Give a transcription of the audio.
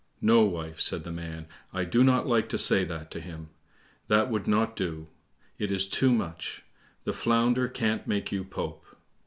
"No, wife," said the man, "I do not like to say that to him; that would not do, it is too much; the Flounder can't make you Pope."